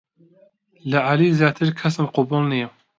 لە عەلی زیاتر کەسم قەبووڵ نییە.